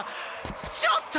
ちょっと！